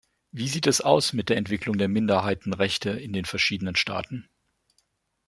Wie sieht es aus mit der Entwicklung der Minderheitenrechte in den verschiedenen Staaten?